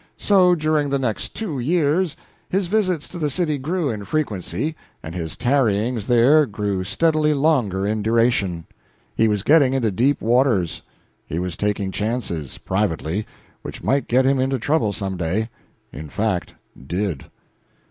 So, during the next two years his visits to the city grew in frequency and his tarryings there grew steadily longer in duration. He was getting into deep waters. He was taking chances, privately, which might get him into trouble some day in fact, did.